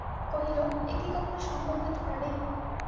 কহিল, এ কি কখনো সম্ভব হইতে পারে?